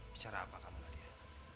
bicara apa kamu nadia